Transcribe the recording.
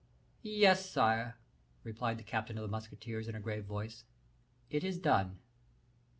"Yes, sire," replied the captain of the musketeers, in a grave voice, "it is done."